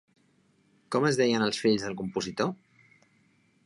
Com es deien els fills del compositor?